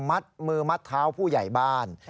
มัดมือมัดเท้าผู้ใหญ่บ้าน